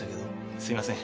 すいません。